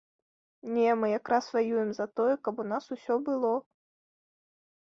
Не, мы якраз ваюем за тое, каб у нас усё было.